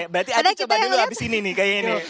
berarti aci coba dulu abis ini nih kayak gini